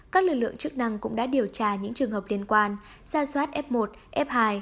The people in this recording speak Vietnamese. các lực lượng chức năng cũng đã điều tra những trường hợp liên quan ra soát f một f hai